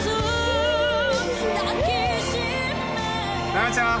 奈々ちゃん！